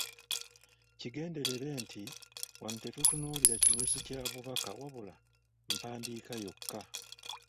Kigenderere nti wano tetutunuulira kinyusi kya bubaka wabula mpandiika yokka.